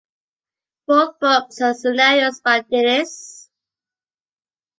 Both books had scenarios by Diniz.